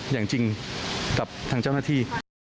อย่างจริงกับทางเจ้าหน้าที่